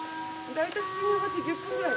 大体１０分ぐらい。